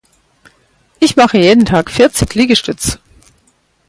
Ich mache jeden Tag vierzig Liegestütz.